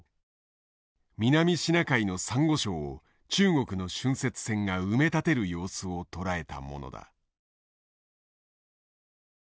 南シナ海のサンゴ礁を中国の浚渫船が埋め立てる様子を捉えたものだ。